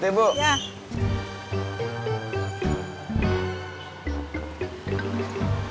terima kasih ya bang